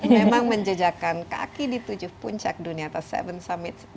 memang menjejakkan kaki di tujuh puncak dunia atas seven summits